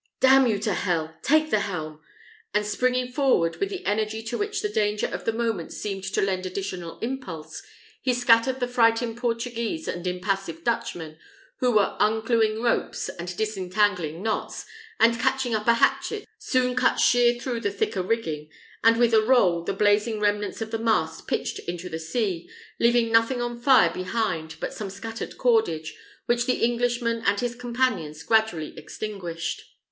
D you to h ! take the helm!" And springing forward, with an energy to which the danger of the moment seemed to lend additional impulse, he scattered the frightened Portuguese and impassive Dutchmen, who were uncluing ropes and disentangling knots; and, catching up a hatchet, soon cut sheer through the thicker rigging; and with a roll the blazing remnants of the mast pitched into the sea, leaving nothing on fire behind but some scattered cordage, which the Englishman and his companions gradually extinguished.